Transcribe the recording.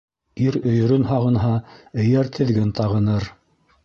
Ир өйөрөн һағынһа, эйәр-теҙген тағыныр.